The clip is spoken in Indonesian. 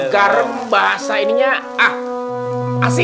garam bahasa ininya